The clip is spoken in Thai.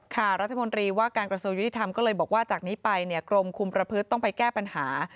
รัฐมนตรีว่าการกระทรวงยุติธรรมก็เลยบอกว่าจากนี้ไปเนี่ยกรมคุมประพฤติต้องไปแก้ปัญหา